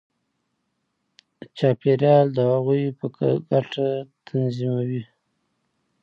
چاپېریال د هغوی په ګټه تنظیموي.